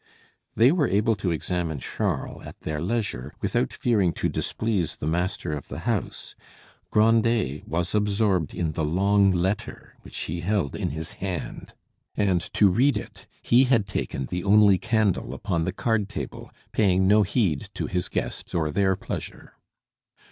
They were able to examine Charles at their leisure without fearing to displease the master of the house. Grandet was absorbed in the long letter which he held in his hand; and to read it he had taken the only candle upon the card table, paying no heed to his guests or their pleasure.